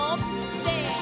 せの！